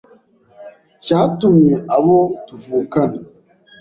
Cyatumye abo tuvukana